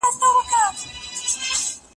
که موږ یو بل ته غوږ سو نو شخړې نه کيږي.